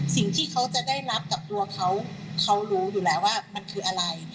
สิ่งที่เขาจะได้รับกับตัวเขาเขารู้อยู่แล้วว่ามันคืออะไร